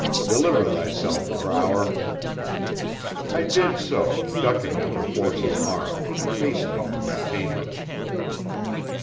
Deliver thyself, Brower. I did so, ducking under Force's arm and hastening to my chamber.